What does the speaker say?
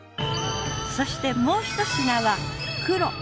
そしてもうひと品は黒。